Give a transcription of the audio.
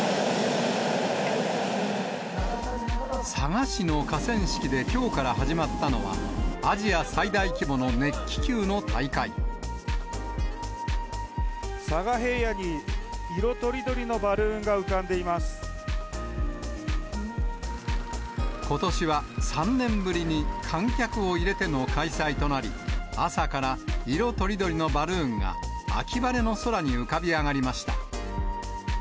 佐賀市の河川敷できょうから始まったのは、佐賀平野に色とりどりのバルことしは３年ぶりに観客を入れての開催となり、朝から色とりどりのバルーンが、秋晴れの空に浮かび上がりました。